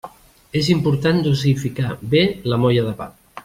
És important dosificar bé la molla de pa.